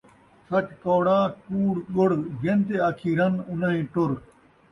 سچ کوڑا ، کوڑ ڳڑ ، جنتے آکھی رن ، اُنہائیں ٹر